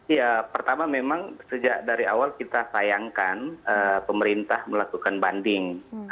ya pertama memang sejak dari awal kita sayangkan pemerintah melakukan banding